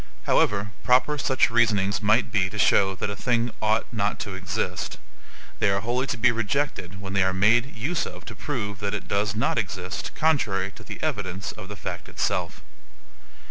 However proper such reasonings might be to show that a thing OUGHT NOT TO EXIST, they are wholly to be rejected when they are made use of to prove that it does not exist contrary to the evidence of the fact itself.